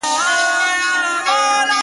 • ټول عمر تكه توره شپه وي رڼا كډه كړې.